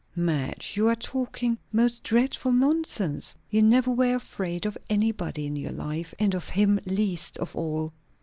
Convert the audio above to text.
"Madge, you are talking most dreadful nonsense. You never were afraid of anybody in your life; and of him least of all."